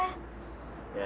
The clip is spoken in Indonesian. ini untuk apa raka